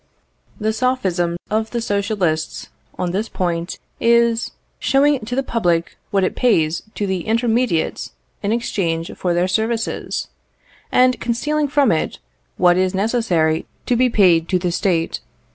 The sophism of the Socialists on this point is, showing to the public what it pays to the intermediates in exchange for their services, and concealing from it what is necessary to be paid to the State.